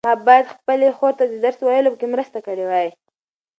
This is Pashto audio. ما باید خپلې خور ته د درس په ویلو کې مرسته کړې وای.